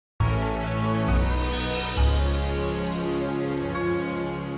adin pergi dulu ya sayang